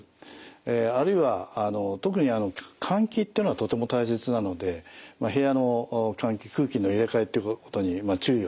あるいは特に換気っていうのはとても大切なので部屋の換気空気の入れ替えってことに注意をする。